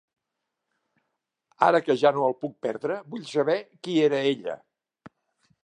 Ara que ja no el puc perdre vull saber qui era ella!